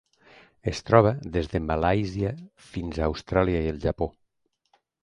Es troba des de Malàisia fins a Austràlia i el Japó.